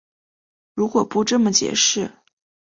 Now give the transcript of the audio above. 如果不这么解释